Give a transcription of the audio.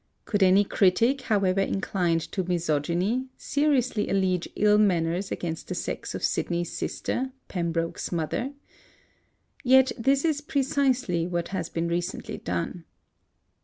Could any critic, however inclined to misogyny, seriously allege ill manners against the sex of Sidney's sister, Pembroke's mother? Yet this is precisely what has been recently done.